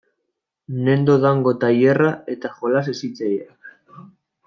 Nendo Dango tailerra eta jolas hezitzaileak.